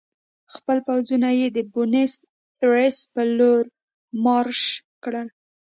خپل پوځونه یې د بونیس ایرس په لور مارش کړل.